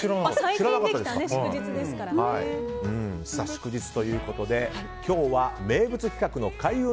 祝日ということで今日は名物企画の開運！